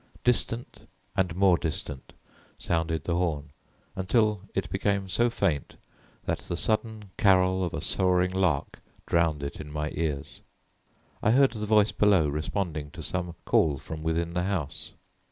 Distant and more distant sounded the horn, until it became so faint that the sudden carol of a soaring lark drowned it in my ears. I heard the voice below responding to some call from within the house.